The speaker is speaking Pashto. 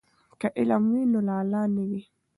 که علم وي نو لاله نه وي.